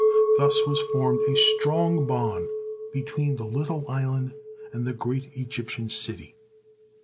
Thus was formed a strong bond be tween the little island and the great Egyptian city.